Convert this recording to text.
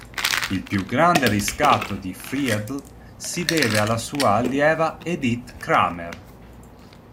Il più grande riscatto di Friedl si deve alla sua allieva Edith Kramer.